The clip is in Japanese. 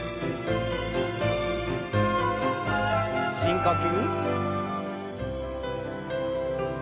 深呼吸。